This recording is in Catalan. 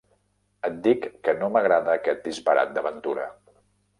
Et dic que no m'agrada aquest disbarat d'aventura.